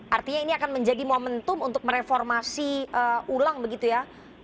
artinya ini akan menjadi momentum untuk mereformasi ulang begitu ya